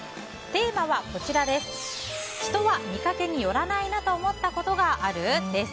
テーマは人は見かけによらないと思ったことがある？です。